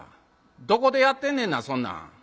どこでやってんねんなそんなん」。